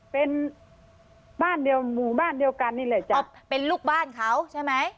เป็นบ้านเดียวหมู่บ้านเดียวกันนี่แหละจ้ะเป็นลูกบ้านเขาใช่ไหม